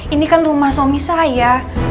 ini kan rumah suami saya